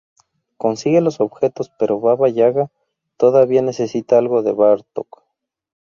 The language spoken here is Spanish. Consigue los objetos, pero Baba Yaga todavía necesita algo de Bartok.